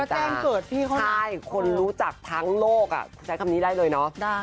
แจ้งเกิดพี่เขาใช่คนรู้จักทั้งโลกใช้คำนี้ได้เลยเนาะ